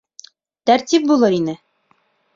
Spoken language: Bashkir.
Тәртип булыр ине.